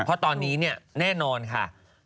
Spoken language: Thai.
เพราะตอนนี้แน่นอนค่ะ